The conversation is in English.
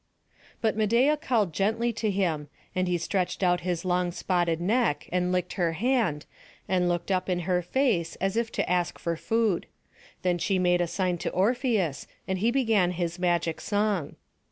But Medeia called gently to him; and he stretched out his long spotted neck, and licked her hand, and looked up in her face, as if to ask for food. Then she made a sign to Orpheus, and he began his magic song.